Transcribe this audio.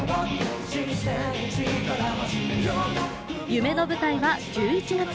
夢の舞台は１１月。